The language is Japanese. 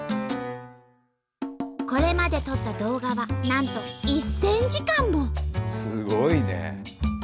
これまで撮った動画はなんとすごいね！